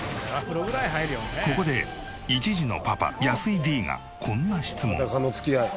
ここで１児のパパ安井Ｄがこんな質問。